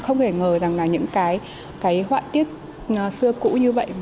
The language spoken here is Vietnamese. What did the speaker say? không thể ngờ rằng những hoa tiết xưa cũ như vậy